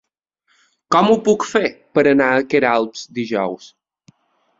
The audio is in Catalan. Com ho puc fer per anar a Queralbs dijous?